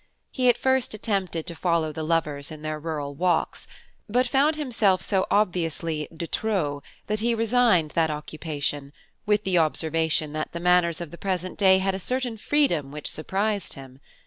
He at first attempted to follow the lovers in their rural walks, but found himself so obviously de trop that he resigned that occupation, with the observation that the manners of the present day had a certain freedom which surprised him.